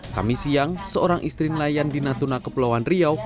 kami siang seorang istri nelayan di natuna kepulauan riau